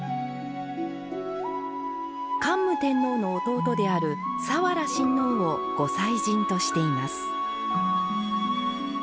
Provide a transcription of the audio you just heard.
桓武天皇の弟である早良親王を御祭神としています。